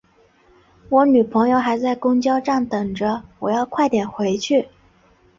我女朋友还在公交站等着，我要快点回去。